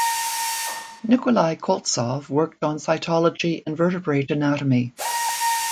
Nikolai Koltsov worked on cytology and vertebrate anatomy.